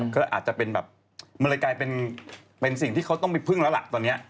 ก็อาจจะเป็นแบบมันเลยกลายเป็นสิ่งที่เขาต้องไปพึ่งแล้วล่ะตอนนี้